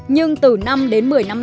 nhưng từ năm đến một mươi năm nay